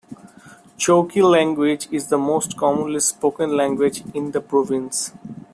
Chokwe language is the most commonly spoken language in the province.